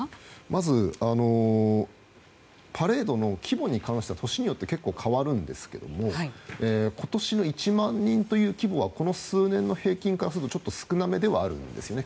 まず、パレードの規模に関しては年によって結構、変わるんですけれども今年は１万人という規模はこの数年の平均からするとちょっと少なめではあるんですね。